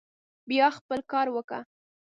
بيا خپل کار وکه.